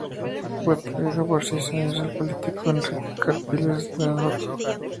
Fue pareja por seis años del político Henrique Capriles Radonski.